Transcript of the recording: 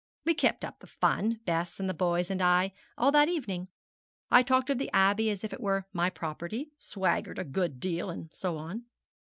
We kept up the fun Bess, and the boys, and I all that evening. I talked of the Abbey as if it were my property, swaggered a good deal, and so on.